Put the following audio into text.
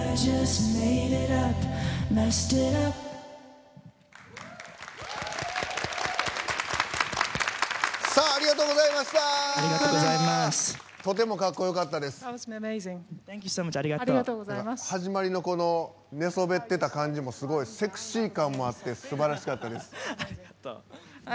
始まりの寝そべってた感じもすごいセクシー感もあってすばらしかったです。